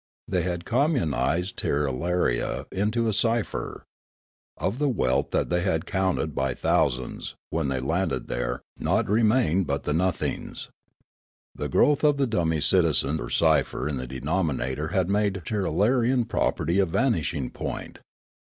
They had communised Tirralaria into a cipher. Of the wealth that they had counted b} thousands, when they landed there, naught remained but the nothings. The growth of the dummy citizen or cipher in the denominator had made Tirralarian property a vanishing point.